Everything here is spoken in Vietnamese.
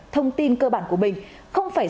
thông tin cơ bản của mình không phải